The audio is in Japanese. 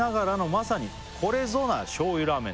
「まさにこれぞな醤油ラーメンで」